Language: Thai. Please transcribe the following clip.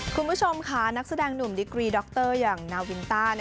คุณผู้ชมค่ะนักแสดงหนุ่มดิกรีดรอย่างนาวินต้า